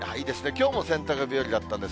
きょうも洗濯日和だったんです。